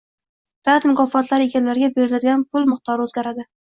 Davlat mukofotlari egalariga beriladigan pul miqdori oʻzgaradi